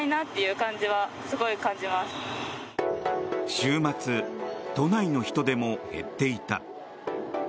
週末、都内の人出も減っていた。